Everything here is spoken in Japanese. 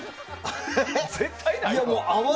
絶対ないわ。